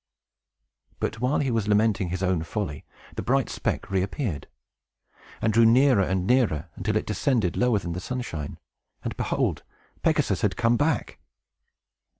But, while he was lamenting his own folly, the bright speck reappeared, and drew nearer and nearer, until it descended lower than the sunshine; and, behold, Pegasus had come back!